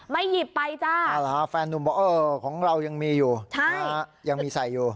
หยิบไปจ้าแฟนนุ่มบอกเออของเรายังมีอยู่ยังมีใส่อยู่